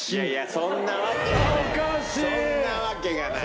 そんなわけがない。